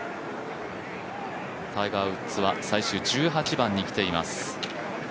タイガー・ウッズは最終１８番に来ています。